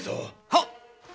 はっ。